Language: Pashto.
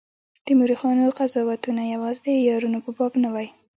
د مورخینو قضاوتونه یوازي د عیارانو په باب نه وای.